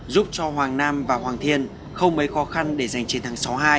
giúp cho hoàng nam và hoàng thiên không mấy khó khăn để giành chiến thắng sáu hai